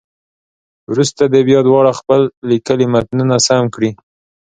وروسته دې بیا دواړه خپل لیکلي متنونه سم کړي.